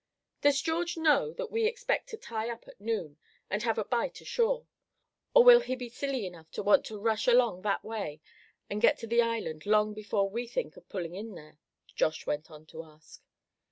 "Does George know that we expect to tie up at noon, and have a bite ashore; or will he be silly enough to want to rush along that way, and get to the island long before we think of pulling in there?" Josh went on to ask.